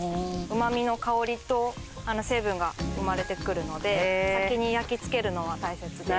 うまみの香りと成分が生まれてくるので先に焼きつけるのは大切です。